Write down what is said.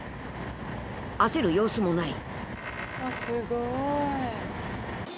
［焦る様子もない］